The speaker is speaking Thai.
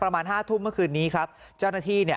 ประมาณห้าทุ่มเมื่อคืนนี้ครับเจ้าหน้าที่เนี่ย